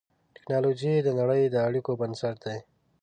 ټکنالوجي د نړۍ د اړیکو بنسټ دی.